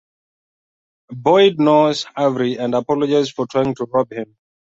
Boyd knows Avery and apologizes for trying to rob him.